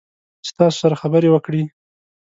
چې تاسو سره خبرې وکړي